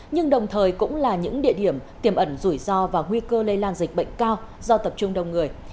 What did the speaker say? nhưng đồng thời cũng là những địa điểm tiềm ẩn rủi ro và nguy cơ lây lan dịch bệnh cao do tập trung đông người